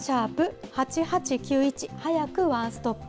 ８８９１、はやくワンストップ。